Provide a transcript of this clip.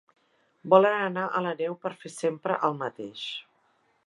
Volen anar a la neu per fer sempre el mateix.